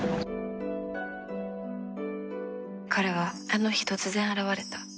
彼は、ある日突然現れた。